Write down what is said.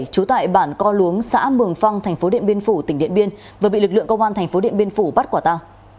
trú tại bản co luống xã mường phăng tp điện biên phủ tỉnh điện biên và bị lực lượng công an tp điện biên phủ bắt quả ta